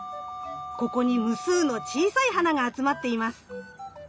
ここに無数の小さい花が集まっています。